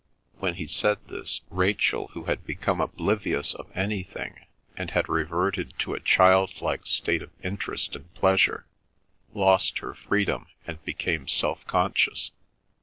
When he said this, Rachel, who had become oblivious of anything, and had reverted to a childlike state of interest and pleasure, lost her freedom and became self conscious.